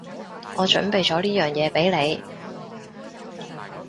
我準備咗呢樣嘢畀你